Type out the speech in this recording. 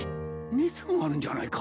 熱があるんじゃないか？